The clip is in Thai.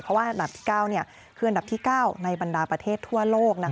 เพราะว่าอันดับที่๙คืออันดับที่๙ในบรรดาประเทศทั่วโลก